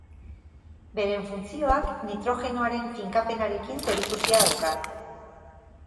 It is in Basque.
Beren funtzioak nitrogenoaren finkapenarekin zerikusia dauka.